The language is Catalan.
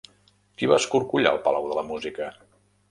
Qui va escorcollar el Palau de la Música?